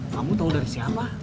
kamu tau dari siapa